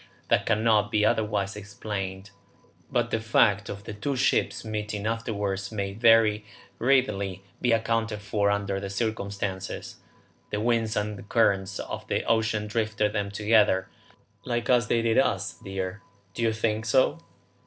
That cannot be otherwise explained; but the fact of the two ships meeting afterwards may very readily be accounted for under the circumstances. The winds and currents of the ocean drifted them together, like as they did us, dear. Don't you think so?"